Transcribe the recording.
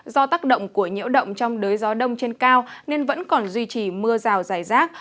do tác động của nhiễu động trong đới gió đông trên cao nên vẫn còn duy trì mưa rào dài rác